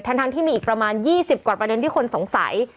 ทั้งที่มีอีกประมาณ๒๐กว่าประเด็นที่คนสงสัย